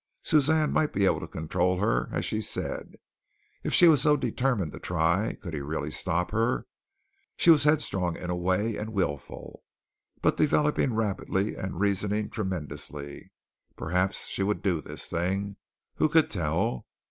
Suzanne might be able to control her as she said. If she was so determined to try, could he really stop her? She was headstrong in a way and wilful, but developing rapidly and reasoning tremendously. Perhaps she could do this thing. Who could tell?